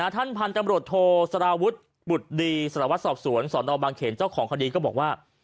ท่านพันธ์ตำรวจโทรสระวุดบุฏดีสระวัสด์ศอบสวนส่อนอาวบางเขนเจ้าของคดีก็บอกว่า